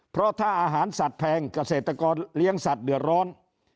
เพราะถ้าอาหารสัตว์แพงเกษตรกรเลี้ยงสัตว์เดือดร้อน